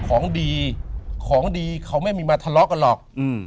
ของดีของดีเขาไม่มีมาทะเลาะกันหรอก